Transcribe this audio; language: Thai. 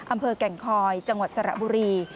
อำเภอแก่งคอยจังหวัดสระบุรี